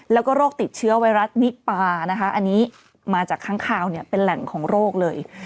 แล้วก็โรคติดเชื้อไวรัสนิปานะคะอันนี้มาจากค้างคาวเนี่ยเป็นแหล่งของโรคเลย